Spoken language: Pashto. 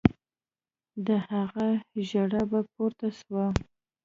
د هغه ژړا به پورته سوه.